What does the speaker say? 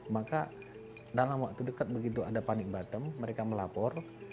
maka dalam waktu dekat begitu ada panik bottom mereka melapor